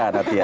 eh itu natia